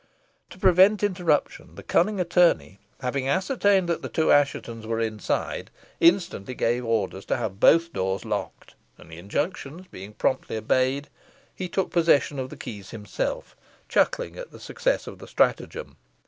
To prevent interruption, the cunning attorney, having ascertained that the two Asshetons were inside, instantly gave orders to have both doors locked, and the injunctions being promptly obeyed, he took possession of the keys himself, chuckling at the success of the stratagem.